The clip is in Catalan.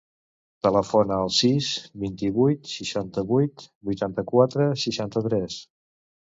Telefona al sis, vint-i-vuit, seixanta-vuit, vuitanta-quatre, seixanta-tres.